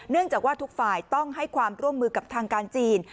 จากว่าทุกฝ่ายต้องให้ความร่วมมือกับทางการจีน